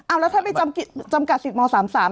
อ้าวแล้วท่านไปจำกัดสิทธิ์ม๓๓